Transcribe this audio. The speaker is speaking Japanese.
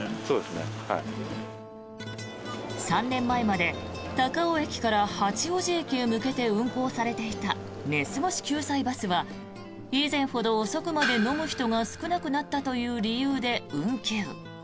３年前まで高尾駅から八王子駅へ向けて運行されていた寝過ごし救済バスは以前ほど遅くまで飲む人が少なくなったという理由で運休。